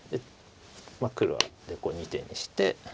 黒は２手にして。